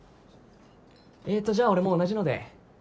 えーっとじゃあ俺も同じので。